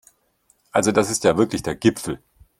Also das ist ja wirklich der Gipfel!